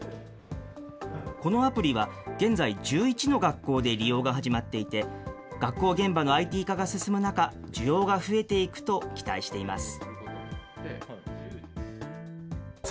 このアプリは現在１１の学校で利用が始まっていて、学校現場のＩＴ化が進む中、需要が増えていくと期待しています。